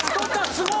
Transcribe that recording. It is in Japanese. すごい！